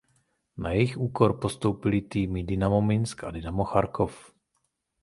Na jejich úkor postoupily týmy Dynamo Minsk a Dynamo Charkov.